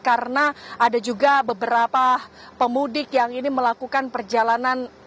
karena ada juga beberapa pemudik yang ini melakukan perjalanan